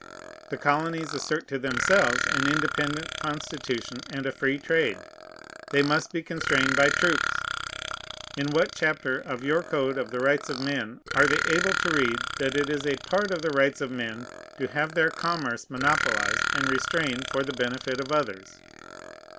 The colonies assert to themselves an independent constitution and a free trade. They must be constrained by troops. In what chapter of your code of the rights of men are they able to read that it is a part of the rights of men to have their commerce monopolized and restrained for the benefit of others?